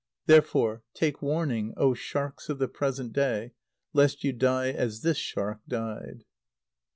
Therefore take warning, oh! sharks of the present day, lest you die as this shark died!